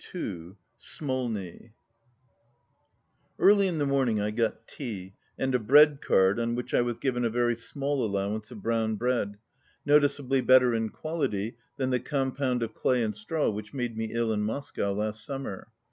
12 SMOLNI Early in the morning I got tea, and a bread card on which I was given a very small allowance of brown bread, noticeably better in quality than the compound of clay and straw which made me ill in Moscow last summer.